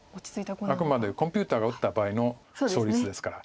あくまでコンピューターが打った場合の勝率ですから。